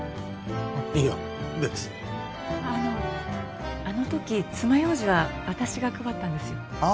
いや別にあのあのとき爪楊枝は私が配ったんですよああ